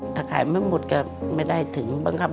ถ้าขายไม่หมดก็ไม่ได้ถึงบ้างครับ